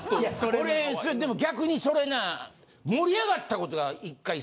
俺でも逆にそれな盛り上がったことが。